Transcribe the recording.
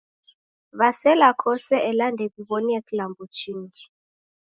W'asela kose ela ndew'iw'onie klambo chingi.